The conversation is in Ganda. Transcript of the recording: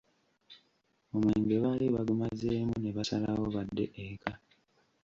Omwenge baali bagumazeemu ne basalawo badde eka!